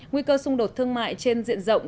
nguy cơ xung đột thương mại trên diện rộng